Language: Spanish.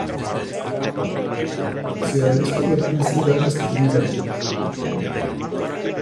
Se han descubierto en este lugar vestigios megalíticos.